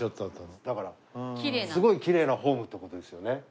だからすごいきれいなフォームって事ですよね。